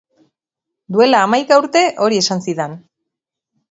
Duela hamaika urte hori esan zidan.